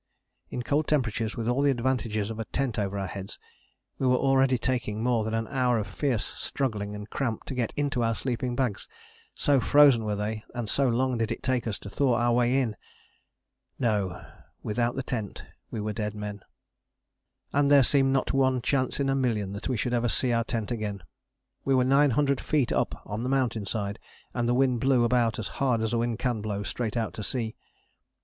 In cold temperatures with all the advantages of a tent over our heads we were already taking more than an hour of fierce struggling and cramp to get into our sleeping bags so frozen were they and so long did it take us to thaw our way in. No! Without the tent we were dead men. [Illustration: MT. EREBUS] [Illustration: ICE PRESSURE AT A] And there seemed not one chance in a million that we should ever see our tent again. We were 900 feet up on the mountain side, and the wind blew about as hard as a wind can blow straight out to sea.